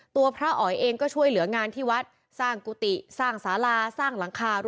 พระอ๋อยเองก็ช่วยเหลืองานที่วัดสร้างกุฏิสร้างสาราสร้างหลังคา